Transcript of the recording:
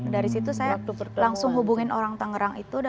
dari situ saya langsung hubungin orang tangerang itu